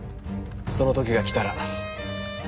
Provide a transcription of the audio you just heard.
その時が来たら。